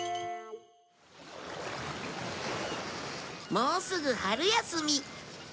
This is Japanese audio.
もうすぐ春休み。